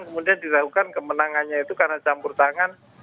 kemudian diragukan kemenangannya itu karena campur tangan